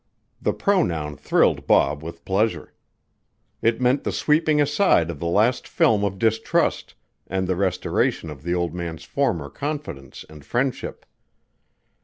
The pronoun thrilled Bob with pleasure. It meant the sweeping aside of the last film of distrust and the restoration of the old man's former confidence and friendship.